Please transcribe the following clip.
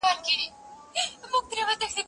زه اوږده وخت ليکلي پاڼي ترتيب کوم